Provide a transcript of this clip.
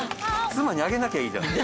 妻にあげなきゃいいじゃん。